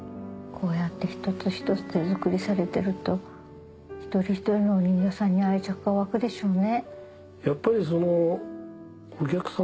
こうやって一つ一つ手作りされてると一人一人のお人形さんに愛着が湧くでしょうね。